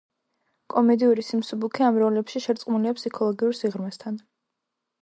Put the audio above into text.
კომედიური სიმსუბუქე ამ როლებში შერწყმულია ფსიქოლოგიურ სიღრმესთან.